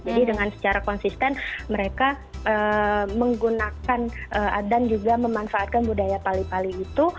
jadi dengan secara konsisten mereka menggunakan dan juga memanfaatkan budaya pali pali itu